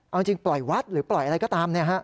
เอาจริงปล่อยวัดหรือปล่อยอะไรก็ตาม